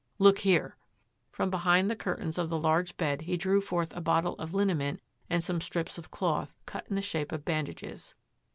Look here!" From behind the curtains of the large bed he drew forth a bottle of liniment and some strips of cloth, cut in the shape of bandages.